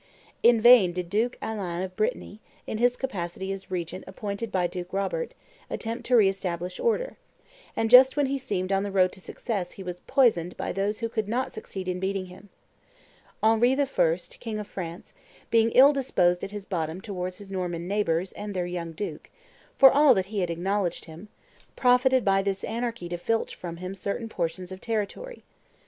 In vain did Duke Alain of Brittany, in his capacity as regent appointed by Duke Robert, attempt to re establish order; and just when he seemed on the road to success he was poisoned by those who could not succeed in beating him. Henry I., king of France, being ill disposed at bottom towards his Norman neighbors and their young duke, for all that he had acknowledged him, profited by this anarchy to filch from him certain portions of territory.